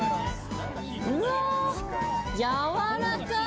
うわあ、やわらか！